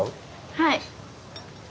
はい。